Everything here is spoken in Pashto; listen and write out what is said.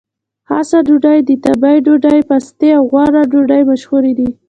خاصه ډوډۍ، د تبۍ ډوډۍ، پاستي او غوړه ډوډۍ مشهورې دي.